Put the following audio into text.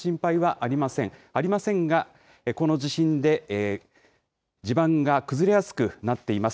ありませんが、この地震で地盤が崩れやすくなっています。